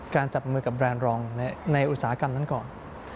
จับมือกับแบรนด์รองในอุตสาหกรรมนั้นก่อน